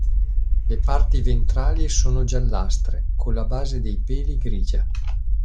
Le parti ventrali sono giallastre, con la base dei peli grigia.